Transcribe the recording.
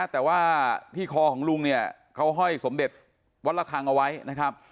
ที่คอของลุงเขาห้อยสมเดตวัตลศักดิ์คางเอาไว้